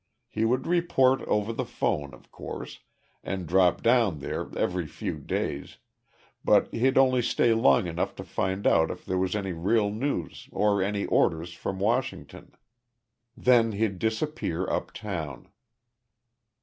He would report over the phone, of course, and drop down there every few days but he'd only stay long enough to find out if there was any real news or any orders from Washington. Then he'd disappear uptown.